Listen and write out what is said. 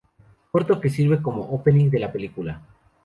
Corto que sirve como opening de la película.